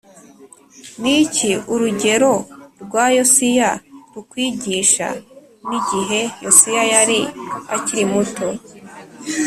Ni iki urugero rwa Yosiya rukwigisha N igihe Yosiya yari akiri muto